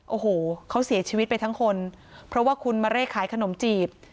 โอ้โหเขาเสียชีวิตไปทั้งคนเพราะว่าคุณมาเร่ขายขนมจีบ